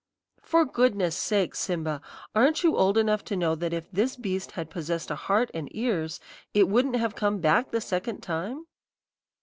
"'For goodness' sake, Simba, aren't you old enough to know that if this beast had possessed a heart and ears it wouldn't have come back the second time?'